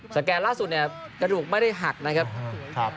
แกนล่าสุดเนี่ยกระดูกไม่ได้หักนะครับ